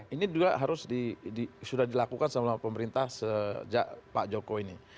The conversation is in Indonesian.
ini juga harus sudah dilakukan sama pemerintah sejak pak joko ini